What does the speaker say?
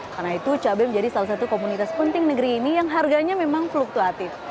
karena itu cabai menjadi salah satu komunitas penting negeri ini yang harganya memang fluktuatif